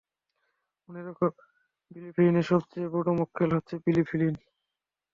মনে রেখো, বিলি ফ্লিনের সবচেয়ে বড় মক্কেল হচ্ছে বিলি ফ্লিন।